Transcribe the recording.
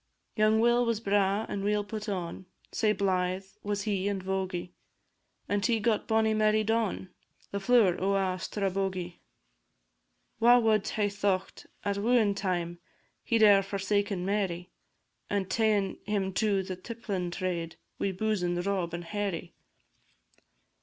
Young Will was braw and weel put on, Sae blythe was he and vogie; And he got bonnie Mary Don, The flower o' a' Strabogie. Wha wad hae thocht, at wooin' time, He 'd e'er forsaken Mary, And ta'en him to the tipplin' trade, Wi' boozin' Rob and Harry?